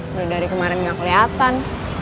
udah dari kemarin gak keliatan